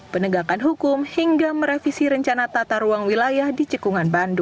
penegakan hukum hingga merevisi rencana tata rukun